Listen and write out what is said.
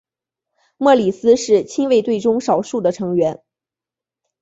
莫里斯是亲卫队中少数的成员。